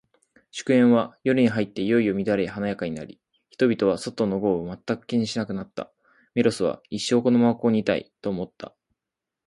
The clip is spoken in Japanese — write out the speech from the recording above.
祝宴は、夜に入っていよいよ乱れ華やかになり、人々は、外の豪雨を全く気にしなくなった。メロスは、一生このままここにいたい、と思った。